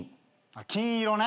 金色ね。